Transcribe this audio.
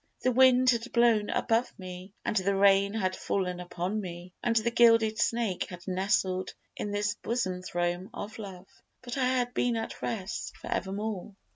The wind had blown above me, and the rain Had fall'n upon me, and the gilded snake Had nestled in this bosomthrone of love, But I had been at rest for evermore.